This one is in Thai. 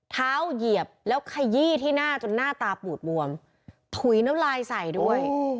เหยียบแล้วขยี้ที่หน้าจนหน้าตาปูดบวมถุยน้ำลายใส่ด้วย